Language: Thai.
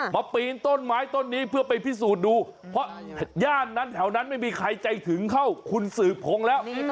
ปีนต้นไม้ต้นนี้เพื่อไปพิสูจน์ดูเพราะย่านนั้นแถวนั้นไม่มีใครใจถึงเท่าคุณสืบพงศ์แล้ว